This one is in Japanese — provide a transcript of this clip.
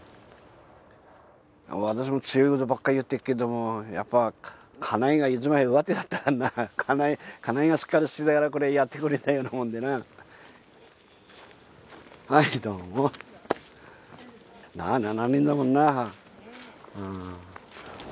私も強いことばっか言ってっけどもやっぱ家内が一枚上手だったからな家内がしっかりしてたからやってこれたようなもんでなはいどうも７年だもんなねえ